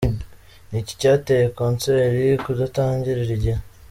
Ni iki cyateye Concert kudatangirira igihe?.